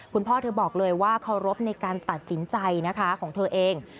เธอบอกเลยว่าเคารพในการตัดสินใจนะคะของเธอเอง